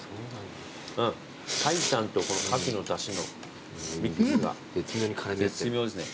白湯とカキのだしのミックスが絶妙ですね。